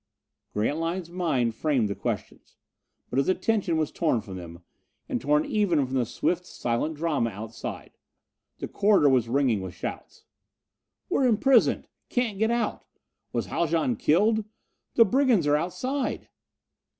Grantline's mind framed the questions. But his attention was torn from them, and torn even from the swift silent drama outside. The corridor was ringing with shouts. "We're imprisoned! Can't get out! Was Haljan killed? The brigands are outside!"